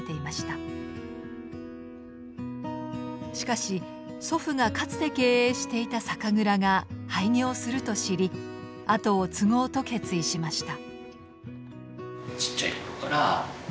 しかし祖父がかつて経営していた酒蔵が廃業すると知り跡を継ごうと決意しました。